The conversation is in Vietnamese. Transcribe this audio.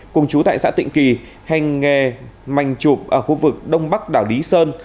cùng chú tại xã tịnh kỳ hành nghề chụp ở khu vực đông bắc đảo lý sơn